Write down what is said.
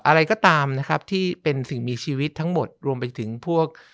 อะไรก็ตามนะครับที่เป็นสิ่งมีชีวิตทั้งหมดรวมไปถึงพวก